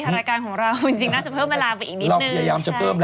ฮราการของเราน่าจะเพิ่มเวลาไปอีกนิดหนึ่งเราย้ายามจะเพิ่มแหละ